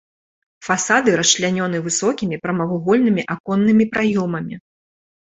Фасады расчлянёны высокімі прамавугольнымі аконнымі праёмамі.